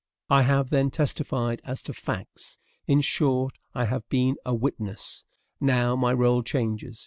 I have, then, testified as to FACTS; in short, I have been a WITNESS. Now my role changes.